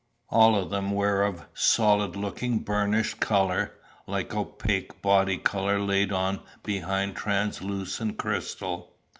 All of them were of a solid looking burnished colour, like opaque body colour laid on behind translucent crystal.